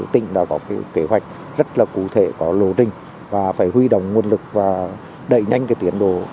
tỉnh đã có kế hoạch rất là cụ thể có lộ trình và phải huy động nguồn lực và đẩy nhanh tiến độ các dự án này